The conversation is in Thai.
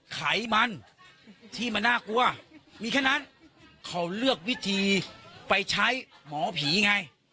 ไขมันที่มันน่ากลัวมีแค่นั้นเขาเลือกวิธีไปใช้หมอผีไง